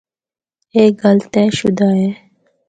اے گل طے شدہ ہے۔